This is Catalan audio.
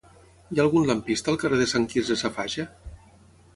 Hi ha algun lampista al carrer de Sant Quirze Safaja?